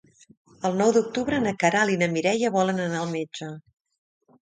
El nou d'octubre na Queralt i na Mireia volen anar al metge.